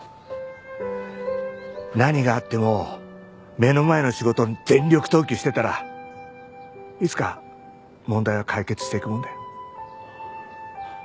何があっても目の前の仕事に全力投球してたらいつか問題は解決していくもんだよ。